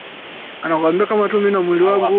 kuenda barua pepe rfi kiswahili